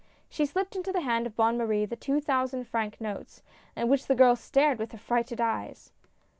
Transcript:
She slipped into the hand of Bonne Marie the two thousand franc notes, at which the girl stared with affrighted eyes.